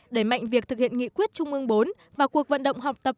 đẩy mạnh việc thực hiện nghị quyết trung ương bốn vào cuộc vận động học tập